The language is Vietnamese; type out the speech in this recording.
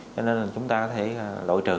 cho nên là chúng ta thấy lội trừ